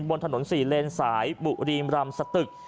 บนถนน๔เลนสายบุรีมรำสตึก